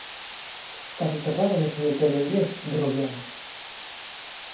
Está soterrado no cemiterio inglés de Rubiáns.